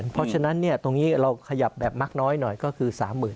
เพราะฉะนั้นตรงนี้เราขยับแบบมักน้อยหน่อยก็คือ๓๐๐๐